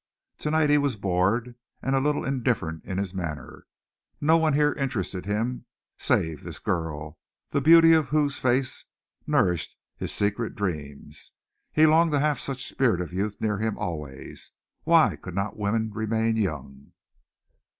To night he was bored and a little indifferent in his manner. No one here interested him save this girl, the beauty of whose face nourished his secret dreams. He longed to have some such spirit of youth near him always. Why could not women remain young?